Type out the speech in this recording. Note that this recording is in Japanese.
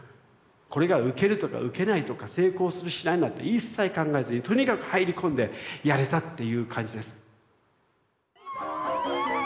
これがウケるとかウケないとか成功するしないなんて一切考えずにとにかく入り込んでやれたっていう感じです。